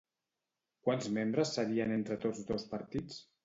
Quants membres serien entre tots dos partits?